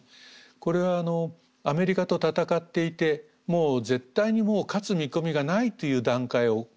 これはアメリカと戦っていて絶対にもう勝つ見込みがないという段階を越えた時にですね